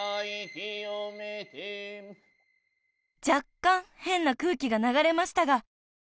［若干変な空気が流れましたが］